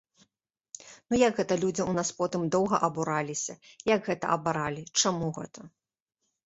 Ну як гэта, людзі ў нас потым доўга абураліся, як гэта абаралі, чаму гэта?